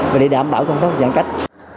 và để đảm bảo công tác giãn cách